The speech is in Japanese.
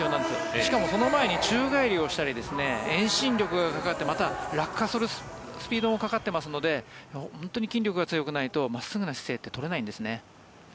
しかもその前に宙がえりをしたり遠心力がかかってまた、落下するスピードもかかっていますので本当に筋力が強くないと真っすぐな姿勢は取れないんですね。